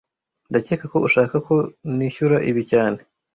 Ndakeka ko ushaka ko nishyura ibi cyane